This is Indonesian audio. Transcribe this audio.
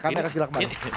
kami akan silakan kembali